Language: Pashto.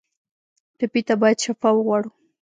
ټپي ته باید شفا وغواړو.